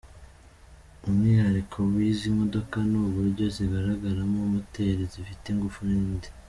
Umwihariko w’izi modoka ni uburyo zigaragaramo, ’moteur’ zifite ingufu n’indi.